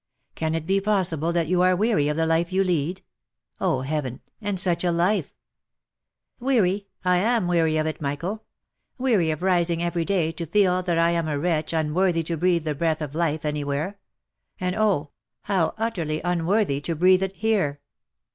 " Can it be possible that you are weary of the life you lead ? Oh, heaven ! and such a life !""" Weary ? am I weary of it, Michael ? weary of rising every day to feel that I am a wretch unworthy to breathe the breath of life any where ? And oh ! how utterly unworthy to breathe it here